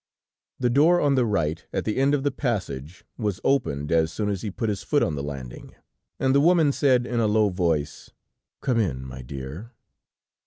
The door on the right, at the end of the passage, was opened as soon as he put his foot on the landing, and the woman said, in a low voice: "Come in, my dear."